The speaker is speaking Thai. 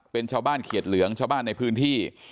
เป็นชาวบ้านเขียดเหลืองชาวบ้านในพื้นที่